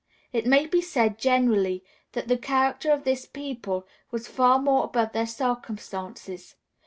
It may be said, generally, that the character of this people was far above their circumstances.